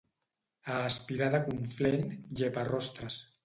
A Espirà de Conflent, llepa-rostes.